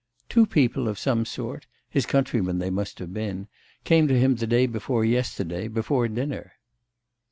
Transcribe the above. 'Two people of some sort his countrymen they must have been came to him the day before yesterday, before dinner.